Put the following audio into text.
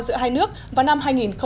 giữa hai nước vào năm hai nghìn hai mươi